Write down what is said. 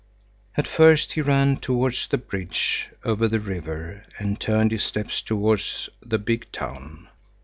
At first he ran towards the bridge over the river and turned his steps towards the big town.